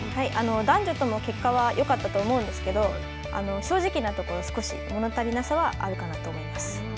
男女とも結果はよかったと思うんですけれども、正直なところ、少し物足りなさはあるかなと思います。